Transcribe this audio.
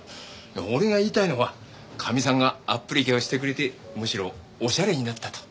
俺が言いたいのはかみさんがアップリケをしてくれてむしろおしゃれになったと。